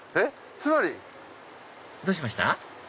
つまり。どうしました？